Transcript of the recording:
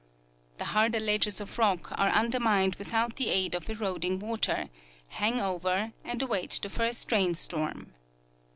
The harder ledges of rock are undermined without the aid of eroding water, hang over, and await the first rain storm.